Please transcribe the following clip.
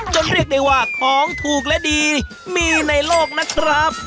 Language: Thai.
เรียกได้ว่าของถูกและดีมีในโลกนะครับ